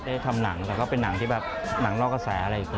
ได้ทำหนังก็เป็นหนังรอกระแสอะไรอีก